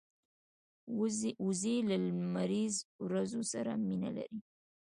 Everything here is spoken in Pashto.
وزې له لمریز ورځو سره مینه لري